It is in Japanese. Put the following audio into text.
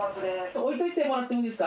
置いといてもらってもいいですか？